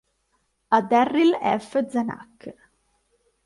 A Darryl F. Zanuck